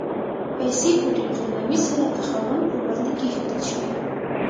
پیسې په ډېر درناوي سره د خاوند په وړاندې کېښودل شوې.